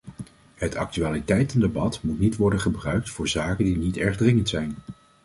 Het actualiteitendebat moet niet worden gebruikt voor zaken die niet erg dringend zijn.